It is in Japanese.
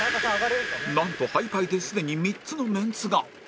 なんと配牌ですでに３つのメンツが！